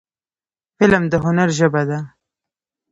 فلم د هنر ژبه ده